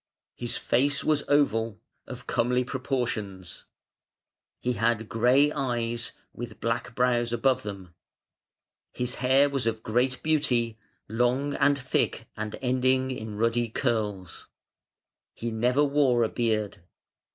His face was oval, of comely proportions; he had gray eyes, with black brows above them; his hair was of great beauty, long and thick and ending in ruddy curls. He never wore a beard.